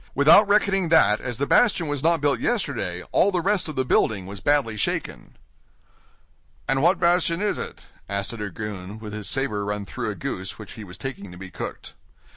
Without reckoning that as the bastion was not built yesterday all the rest of the building was badly shaken." "And what bastion is it?" asked a dragoon, with his saber run through a goose which he was taking to be cooked.